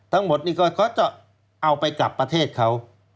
ทั้งหมดนี้ก็จะเอาไปกลับประเทศเขา